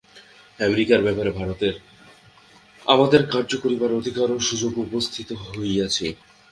আমেরিকার ব্যাপারে ভারতে আমাদের কার্য করিবার অধিকার ও সুযোগ উপস্থিত হইয়াছে।